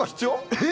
えっ？